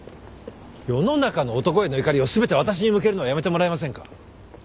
世の中の男への怒りを全て私に向けるのはやめてもらえませんか？